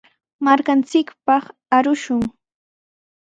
Markanchikpaq arushun.